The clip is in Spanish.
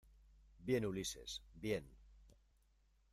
bien, Ulises , bien.